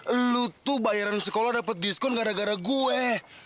elo tuh bayaran sekolah dapet diskon gara gara gue